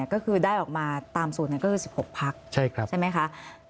ก็คือได้ออกมาตามสูตรนั้นก็คือ๑๖พักใช่ไหมคะ